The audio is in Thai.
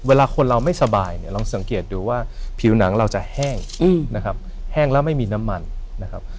เวลาคนเราไม่สบายเนี่ยลองสังเกตดูว่าผิวหนังเราจะแห้งนะครับแห้งแล้วไม่มีน้ำมันนะครับ